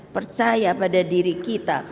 percaya pada diri kita